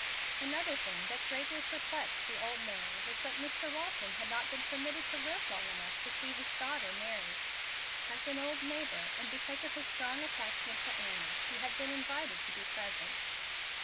Another thing that greatly perplexed the old man was that Mr. Walton had not been permitted to live long enough to see his daughter married. As an old neighbor, and because of his strong attachment to Annie, he had been invited to be present.